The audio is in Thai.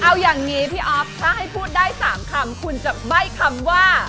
เอาอย่างนี้พี่อ๊อฟถ้าให้พูดได้๓คำคุณจะใบ้คำว่า